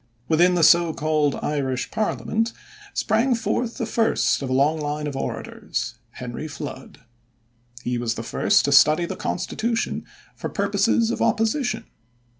Within the so called Irish parliament sprang forth the first of a long line of orators, Henry Flood. He was the first to study the Constitution for purposes of opposition.